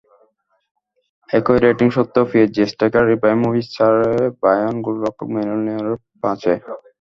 একই রেটিং সত্ত্বেও PSG striker Ibrahimovic চারে, বায়ার্ন গোলরক্ষক ম্যানুয়েল নয়্যার পাঁচে।